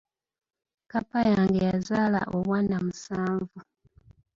Kkapa yange yazaala obwana musanvu.